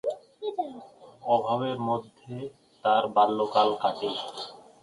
অভাবের মধ্যে তার বাল্যকাল কাটে।